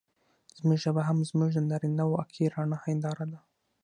زموږ ژبه هم زموږ د نارينواکۍ رڼه هېنداره ده.